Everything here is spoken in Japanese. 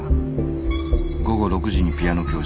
午後６時にピアノ教室を終え